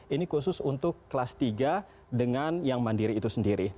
ini khusus untuk kelas tiga dengan yang mandiri itu sendiri